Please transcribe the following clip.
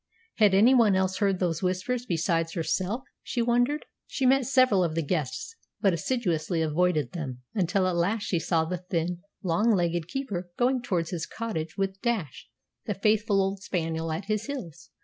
Had anyone else heard those Whispers besides herself, she wondered. She met several of the guests, but assiduously avoided them, until at last she saw the thin, long legged keeper going towards his cottage with Dash, the faithful old spaniel, at his heels.